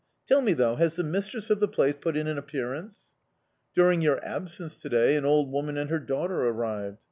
Tell me, though, has the mistress of the place put in an appearance?" "During your absence to day, an old woman and her daughter arrived."